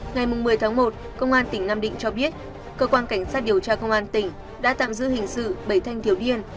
ngày một mươi tháng một công an tỉnh nam định cho biết cơ quan cảnh sát điều tra công an tỉnh đã tạm giữ hình sự bảy thanh thiếu niên